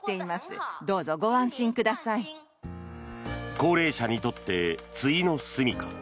高齢者にとってついの住み家。